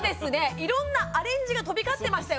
いろんなアレンジが飛び交ってましたよね